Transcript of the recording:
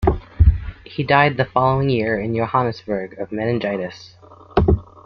He died the following year in Johannesburg of meningitis.